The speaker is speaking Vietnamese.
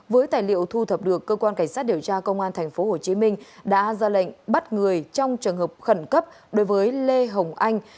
với tài liệu thu thập được cơ quan cảnh sát điều tra công an tp hcm đã ra lệnh bắt người trong trường hợp khẩn cấp đối với lê hồng anh